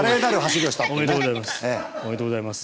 おめでとうございます。